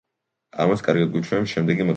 ამას კარგად გვიჩვენებს შემდეგი მაგალითი.